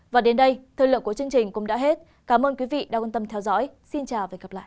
và đến đây thời lượng của chương trình cũng đã hết cảm ơn quý vị đã quan tâm theo dõi xin chào và hẹn gặp lại